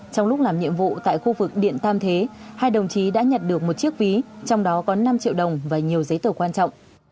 trong lúc làm nhiệm vụ tại khu vực điện tam thế hai đồng chí đã nhặt được một chiếc ví trong đó có năm triệu đồng và nhiều giấy tờ quan trọng